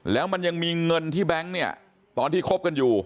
แล้วมันยังมีเงินที่แบงค์เนี่ยตอนที่คบกันอยู่